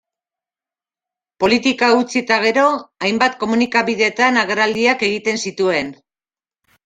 Politika utzi eta gero, hainbat komunikabidetan agerraldiak egiten zituen.